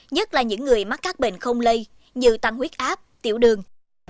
nhất là những người mắc các bệnh không lây như tăng huyết áp tiểu đường